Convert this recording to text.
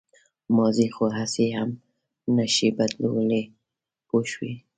ماضي خو هسې هم نه شئ بدلولی پوه شوې!.